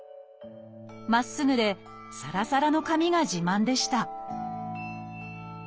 まっすぐでさらさらの髪が自慢でした。